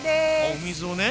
お水をね。